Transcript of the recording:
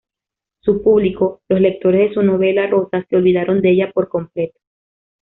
Su público, los lectores de sus novelas rosa se olvidaron de ella por completo.